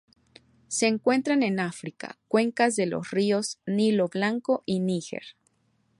Se encuentran en África: cuencas de los ríos Nilo Blanco y Níger.